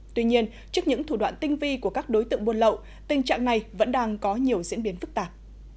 tuy nhiên trước những thủ đoạn tinh vi của các đối tượng buôn lậu tình trạng này vẫn đang có nhiều diễn biến phức tạp